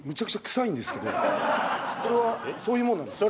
これはそういうもんなんですか？